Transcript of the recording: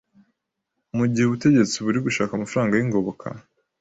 Mu gihe ubutegetsi buri gushaka amafaranga y'ingoboka